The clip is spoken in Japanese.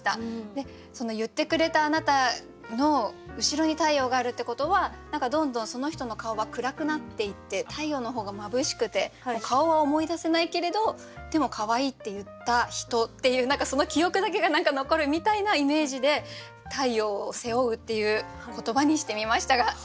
「言ってくれたあなたの後ろに太陽がある」ってことは何かどんどんその人の顔は暗くなっていって太陽の方がまぶしくて顔は思い出せないけれどでも「可愛いって言った人」っていうその記憶だけが何か残るみたいなイメージで「太陽を背負う」っていう言葉にしてみましたがどうですか？